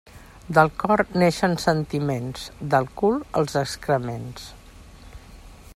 Del cor neixen sentiments, del cul els excrements.